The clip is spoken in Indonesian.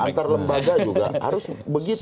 nah antar lembaga juga harus begitu ya